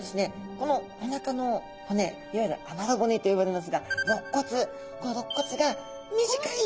このおなかの骨いわゆるあばら骨と呼ばれますがろっ骨このろっ骨が短いんです。